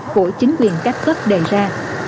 của chính quyền các cấp đề ra